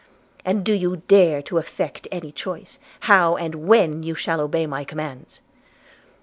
– and do you dare to affect any choice, how and when you shall obey my commands?'